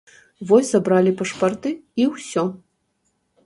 Вось забралі пашпарты, і ўсё.